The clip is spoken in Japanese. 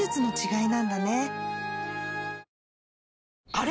あれ？